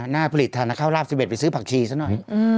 น่าผลิตฐานเข้าราบสิบเอ็ดไปซื้อผักชีซักหน่อย